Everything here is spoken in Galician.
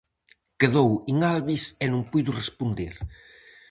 Quedou in albis e non puido responder.